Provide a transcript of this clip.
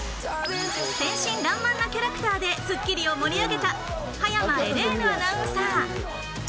天真爛漫なキャラクターで『スッキリ』を盛り上げた葉山エレーヌアナウンサー。